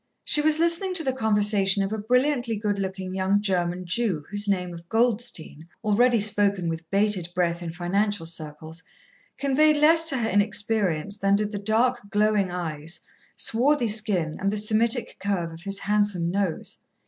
She was listening to the conversation of a brilliantly good looking young German Jew, whose name of Goldstein, already spoken with bated breath in financial circles, conveyed less to her inexperience than did the dark, glowing eyes, swarthy skin and the Semitic curve of his handsome nose.